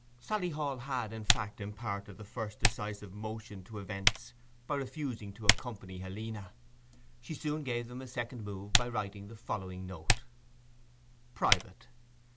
Sally Hall had, in fact, imparted the first decisive motion to events by refusing to accompany Helena. She soon gave them a second move by writing the following note '[Private.